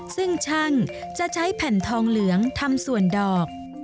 ซึ่งช่างจะใช้แผ่นทองเหลืองทำส่วนดอก